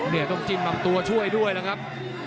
เนี่ยต้องจิ้นบางตัวช่วยด้วยนะครับ